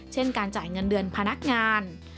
เช่นการจ่ายเงินเดือนพนักงาน